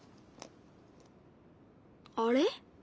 あれ？